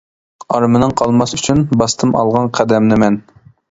ئارمىنىڭ قالماس ئۈچۈن، باستىم ئالغا قەدەمنى مەن.